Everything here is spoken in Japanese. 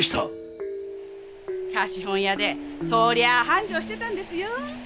貸本屋でそりゃあ繁盛してたんですよ。